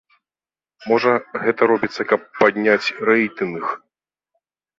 Можа гэта робіцца, каб падняць рэйтынг?